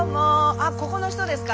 あここの人ですか？